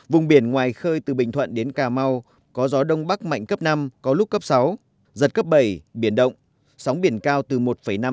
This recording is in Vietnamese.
vùng biển ngoài khơi từ bình thuận đến cà mau có gió đông bắc mạnh cấp năm có lúc cấp sáu giật cấp bảy biển động sóng biển cao từ một năm m